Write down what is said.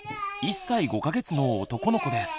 １歳５か月の男の子です。